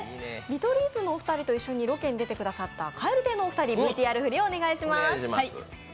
見取り図のお二人と一緒にロケに出てくださった蛙亭のお二人、ＶＴＲ振りお願いします。